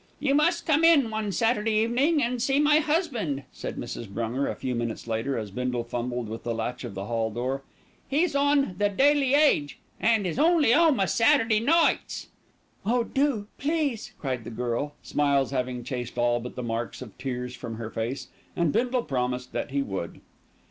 "You must come in one Saturday evening and see my husband," said Mrs. Brunger a few minutes later, as Bindle fumbled with the latch of the hall door. "He's on The Daily Age, and is only home a Saturday nights." "Oh, do, please!" cried the girl, smiles having chased all but the marks of tears from her face, and Bindle promised that he would.